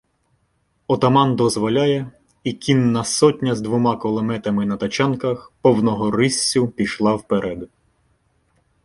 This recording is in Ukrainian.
Отаман дозволяє, і кінна сотня з двома кулеметами на тачанках повного риссю пішла вперед.